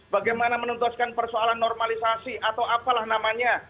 bagaimana menuntaskan persoalan normalisasi atau apalah namanya